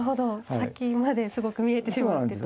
先まですごく見えてしまってと。